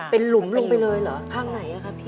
เป็นหลุมลงไปเลยเหรอข้างไหนอะครับพี่